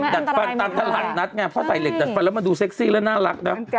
ดัดฟันตามตลาดนัดไงเพราะใส่เหล็กดัดฟันแล้วมันดูเซ็กซี่แล้วน่ารักนะ